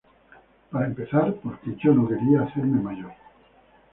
Para empezar porque yo no quería hacerme mayor.